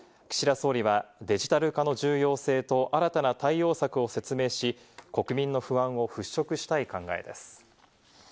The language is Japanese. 岸田総理は、デジタル化の重要性と新たな対応策を説明し、国民の不安を払拭したい考えです。